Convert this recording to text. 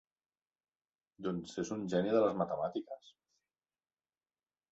Doncs és un geni de les matemàtiques.